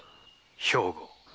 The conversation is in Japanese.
兵庫。